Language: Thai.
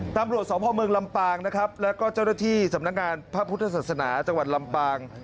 ตำรวจสพเมืองลำปางนะครับแล้วก็เจ้าหน้าที่สำนักงานพระพุทธศาสนาจังหวัดลำปาง